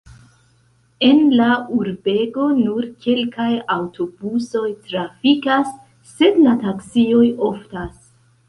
En la urbego nur kelkaj aŭtobusoj trafikas, sed la taksioj oftas.